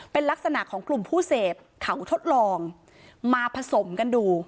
เป็นลักษณะของกลุ่มผู้เสพเขาทดลองมาผสมกันดู